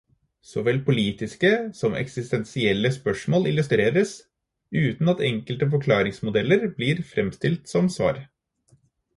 Såvel politiske som eksistensielle spørsmål illustreres, uten at enkle forklaringsmodeller blir fremstilt som svar.